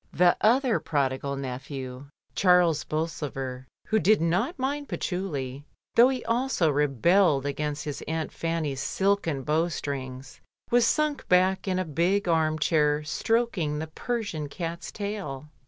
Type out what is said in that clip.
The other prodigal nephew, Charles Bolsover, who did not mind patchouli, though he also re belled against his aunt Fanny's silken bow strings, was sunk back in a big arm chair stroking the Persian cat's tail.